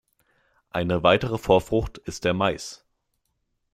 Eine weitere Vorfrucht ist der Mais.